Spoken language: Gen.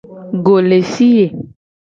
Go le fi ye.